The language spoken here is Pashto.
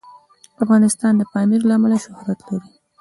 افغانستان د پامیر له امله شهرت لري.